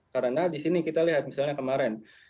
karena di sini kita lihat misalnya kemarin